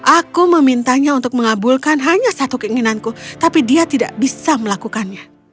aku memintanya untuk mengabulkan hanya satu keinginanku tapi dia tidak bisa melakukannya